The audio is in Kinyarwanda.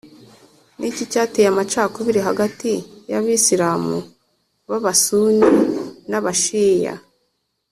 ni iki cyateye amacakubiri hagati y’abisilamu b’abasuni n’abashiya?